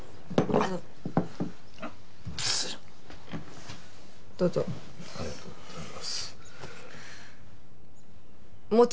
ありがとうございます。